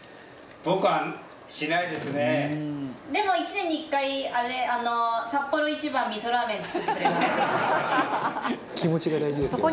でも１年に１回あれサッポロ一番みそラーメン作ってくれます。